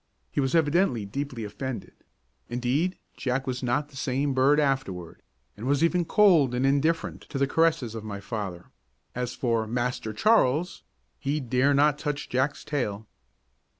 He was evidently deeply offended; indeed, Jack was not the same bird afterward, and was even cold and indifferent to the caress of my father; as for "Master Charles," he dare not touch Jack's tail.